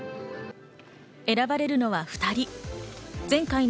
選ばれるのは２人。